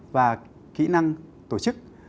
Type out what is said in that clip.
và kỹ năng tổ chức